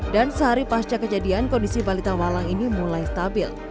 dan sehari pasca kejadian kondisi walita malang ini mulai stabil